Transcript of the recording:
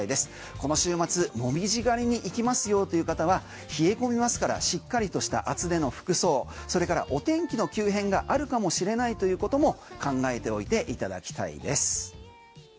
この週末紅葉狩りに行きますよという方は冷え込みますからしっかりとした厚手の服装それからお天気の急変があるかもしれないということも考えておいていただきたいです。